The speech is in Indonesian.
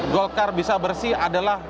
golkar bisa bersih adalah